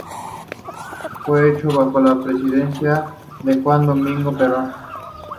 Fue hecho bajo la presidencia de Juan Domingo Perón.